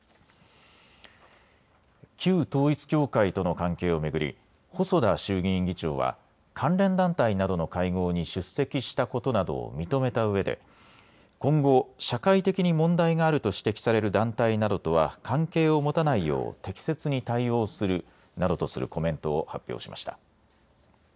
旧統一教会との関係を巡り細田衆議院議長は関連団体などの会合に出席したことなどを認めたうえで今後、社会的に問題があると指摘される団体などとは関係を持たないよう適切に対応するなどとするコメントを発表しました。